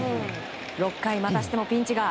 ６回またしてもピンチが。